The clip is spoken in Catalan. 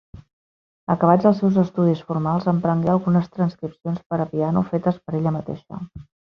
Acabats els seus estudis formals, emprengué algunes transcripcions per a piano fetes per ella mateixa.